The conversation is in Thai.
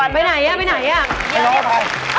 ไปไหนอ่ะไปไหนอ่ะ